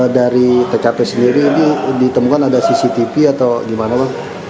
dari tkp sendiri ini ditemukan ada cctv atau gimana bang